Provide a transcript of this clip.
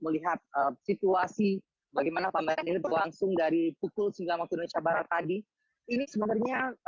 melihat situasi bagaimana pameran ini berlangsung dari pukul sembilan waktu indonesia barat tadi ini sebenarnya